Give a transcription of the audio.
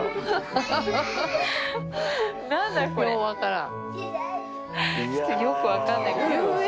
よう分からん。